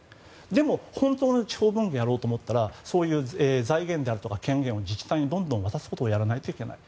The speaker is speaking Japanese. でも本当に地方分権をやろうと思ったらそういう財源であるとか権限を自治体にどんどん渡すことをやらなきゃいけない。